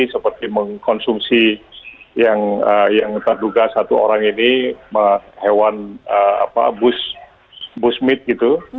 seperti mengkonsumsi yang terduga satu orang ini hewan busmith gitu